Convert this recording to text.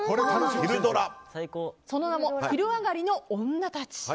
その名も「昼上がりのオンナたち」。